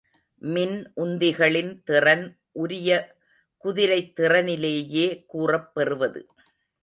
மின் உந்திகளின் திறன் உரிய குதிரைத்திறனிலேயே கூறப் பெறுவது.